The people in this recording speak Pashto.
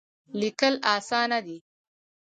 لیکل اسانه دی.